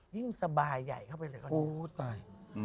ยิ่งสบายใหญ่เข้าไปเลยก็ได้